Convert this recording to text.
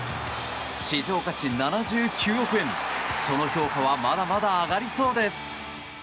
市場価値７９億円その評価はまだまだ上がりそうです。